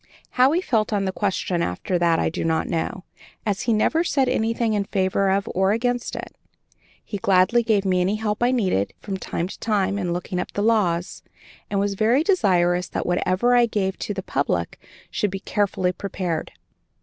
How he felt on the question after that I do not know, as he never said anything in favor of or against it. He gladly gave me any help I needed, from time to time, in looking up the laws, and was very desirous that whatever I gave to the public should be carefully prepared.